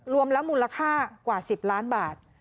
รวมแล้วมูลค่ากว่า๑๐ล้านบาท